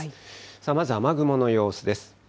さあまず、雨雲の様子です。